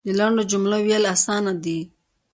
د لنډو جملو ویل اسانه دی .